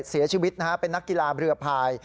เสียชีวิตนะฮะเป็นนักกีฬาเรือพาย